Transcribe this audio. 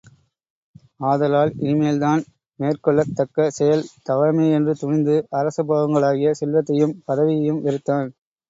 ஆதலால், இனிமேல் தான் மேற்கொள்ளத் தக்க செயல் தவமே என்று துணிந்து அரச போகங்களாகிய செல்வத்தையும் பதவியையும் வெறுத்தான்.